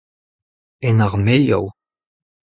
En armelioù.